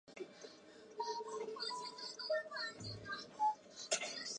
佟兆元自奉天高等师范学校毕业。